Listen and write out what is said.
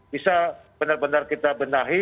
bisa benar benar kita benahi